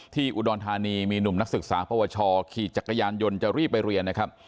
อุดรธานีมีหนุ่มนักศึกษาปวชขี่จักรยานยนต์จะรีบไปเรียนนะครับ